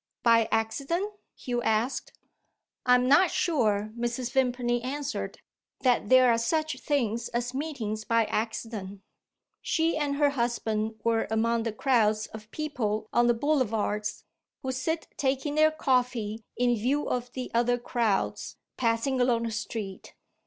"By accident?" Hugh asked. "I am not sure," Mrs. Vimpany answered, "that there are such things as meetings by accident. She and her husband were among the crowds of people on the Boulevards, who sit taking their coffee in view of the other crowds, passing along the street.